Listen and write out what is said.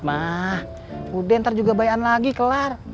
mah udah ntar juga bayaran lagi kelar